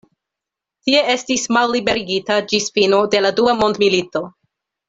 Tie estis malliberigita ĝis fino de la dua mondmilito.